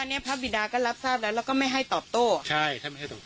อันนี้พระบิดาก็รับทราบแล้วแล้วก็ไม่ให้ตอบโต้ใช่ท่านไม่ให้ตอบโต